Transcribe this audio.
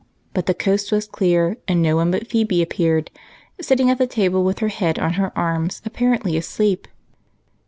But the coast was clear, and no one but Phebe appeared, sitting at the table with her head on her arms apparently asleep.